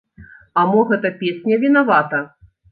А мо гэта песня вінавата?